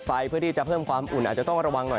เพื่อที่จะเพิ่มความอุ่นอาจจะต้องระวังหน่อย